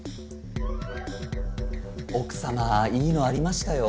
奥様いいのありましたよ。